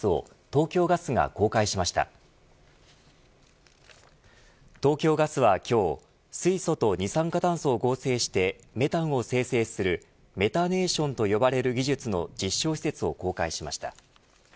東京ガスは今日水素と二酸化炭素を合成してメタンを生成するメタネーションと呼ばれる技術の実証施設を公開しました。